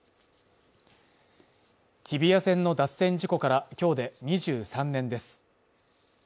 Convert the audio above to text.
日比谷線の脱線事故から今日で２３年です。